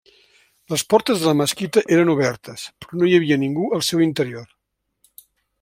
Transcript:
Les portes de la mesquita eren obertes, però no hi havia ningú al seu interior.